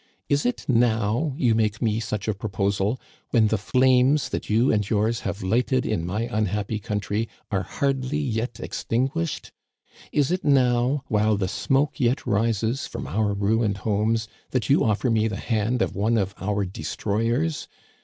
Is it now you make me such a proposal, when the flames that you and yours have lighted in my unhappy country are hardly yet extinguished ? Is it now, while the smoke yet rises from our ruined homes, that you offer me the hand of one of our destroyers?